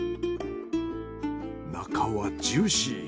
中はジューシー。